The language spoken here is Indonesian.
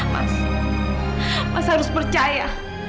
mas mas harus percaya